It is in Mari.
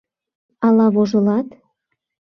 Ала вожылат?..